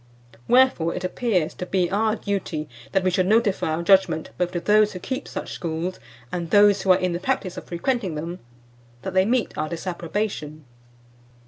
Wherefore it appears to be our duty that we should notify our judgment both to those who keep such schools, and those who are in the practice of frequenting them, that they meet our disapprobation."